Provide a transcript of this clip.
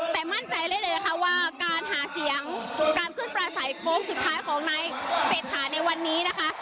แต่มั่นใจได้เลยนะคะว่าการหาเสียงการขึ้นปลาใสโค้งสุดท้ายของนายเศรษฐาในวันนี้นะคะ